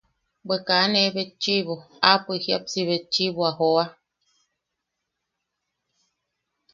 Bwe kaa ne betchiʼibo, apoik jiʼapsi betchiʼibo a joa.